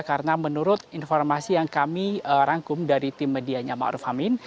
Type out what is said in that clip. karena menurut informasi yang kami rangkum dari tim medianya maruf amin